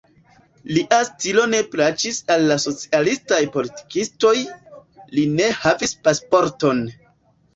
Lia stilo ne plaĉis al la socialistaj politikistoj, li ne havis pasporton.